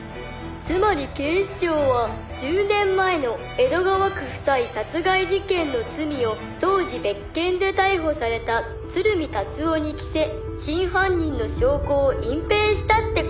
「つまり警視庁は１０年前の江戸川区夫妻殺害事件の罪を当時別件で逮捕された鶴見達男に着せ真犯人の証拠を隠蔽したって事！」